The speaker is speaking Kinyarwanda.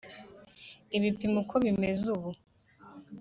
ibipimo uko bimeze ubu